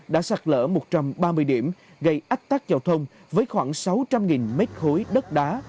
đã sạt lỡ một trăm ba mươi điểm gây ách tắc giao thông với khoảng sáu trăm linh m ba đất đá